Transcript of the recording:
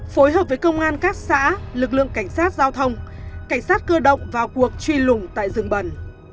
phối hợp với công an các xã lực lượng cảnh sát giao thông cảnh sát cơ động vào cuộc truy lùng tại rừng bần